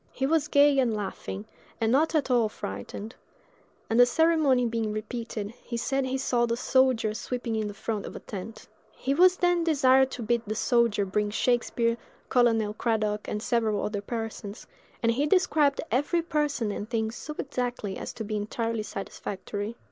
He was gay and laughing, and not at all frightened; and the ceremony being repeated, he said he saw the soldier sweeping in the front of a tent. He was then desired to bid the soldier bring Shakspere, Colonel Cradock, and several other persons; and he described every person and thing so exactly as to be entirely satisfactory.